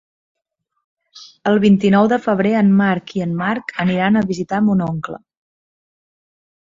El vint-i-nou de febrer en Marc i en Marc aniran a visitar mon oncle.